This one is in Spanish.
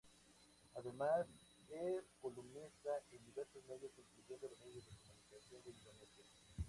Además es columnista en diversos medios, incluyendo los medios de comunicación de Indonesia.